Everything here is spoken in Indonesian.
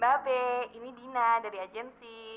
mbak be ini dina dari agensi